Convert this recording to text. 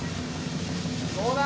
どうだ？